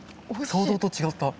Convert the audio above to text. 想像と違った。